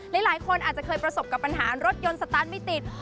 หลายคนอาจจะเคยประสบกับปัญหารถยนต์สตาร์ทไม่ติด